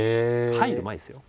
入る前ですよ。